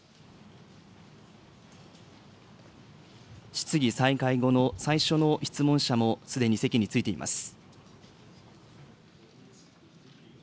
質疑再開後の最初の質問者も、すでに席に着いています。